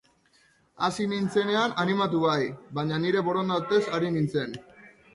Hasi nintzenean animatu bai, baina nire borondatez ari nintzen.